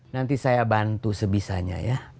nanti saya bantu sebisanya ya